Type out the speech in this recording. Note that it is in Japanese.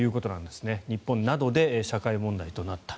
日本などで社会問題となった。